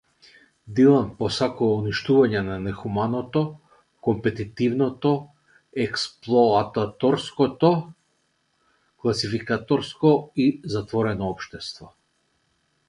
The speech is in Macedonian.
Дилан посакува уништување на нехуманото, компетитивно, експлоататорско, класификаторско и затворено општество.